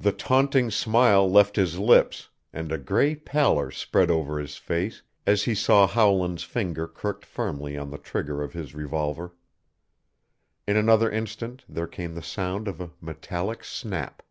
The taunting smile left his lips and a gray pallor spread over his face as he saw Howland's finger crooked firmly on the trigger of his revolver. In another instant there came the sound of a metallic snap.